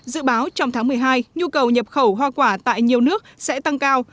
dự báo trong tháng một mươi hai nhu cầu nhập khẩu hoa quả tại nhiều nước sẽ tăng cao